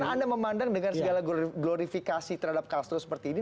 di mana anda memandang dengan segala glorifikasi terhadap castro seperti ini